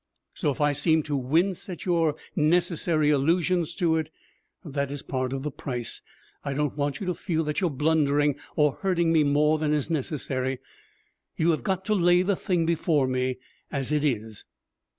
So, if I seem to wince at your necessary allusions to it, that is part of the price. I don't want you to feel that you are blundering or hurting me more than is necessary. You have got to lay the thing before me as it is.'